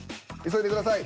急いでください。